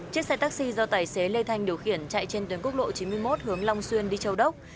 chiếc xe taxi do tài xế lê thanh điều khiển chạy trên tuyến quốc lộ chín mươi một hướng long xuyên đi châu đốc